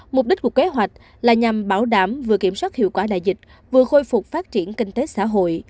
mục đích của kế hoạch là nhằm bảo đảm vừa kiểm soát hiệu quả đại dịch vừa khôi phục phát triển kinh tế xã hội